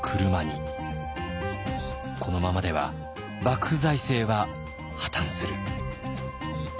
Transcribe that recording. このままでは幕府財政は破綻する。